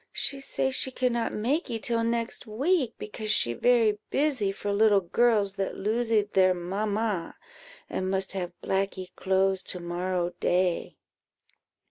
She say she cannot makee till next week, because she very busy for little girls that losee their mamma, and must have blackee clothes to morrow day."